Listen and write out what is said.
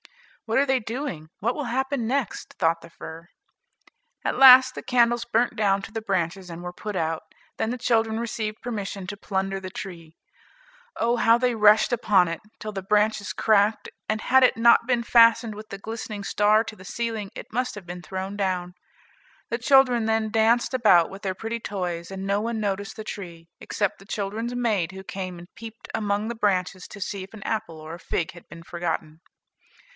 "What are they doing? What will happen next?" thought the fir. At last the candles burnt down to the branches and were put out. Then the children received permission to plunder the tree. Oh, how they rushed upon it, till the branches cracked, and had it not been fastened with the glistening star to the ceiling, it must have been thrown down. The children then danced about with their pretty toys, and no one noticed the tree, except the children's maid who came and peeped among the branches to see if an apple or a fig had been forgotten.